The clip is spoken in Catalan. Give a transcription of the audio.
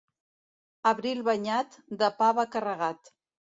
Abril banyat, de pa va carregat.